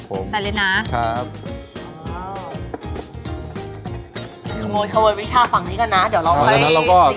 ขโมยขโมยวิชาฝั่งนี้กันนะเดี๋ยวเราไปเรียน